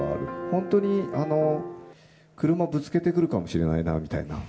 本当に車ぶつけてくるかもしれないなみたいな。